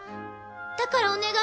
だからお願い！